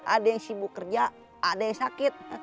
ada yang sibuk kerja ada yang sakit